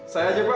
saya aja pak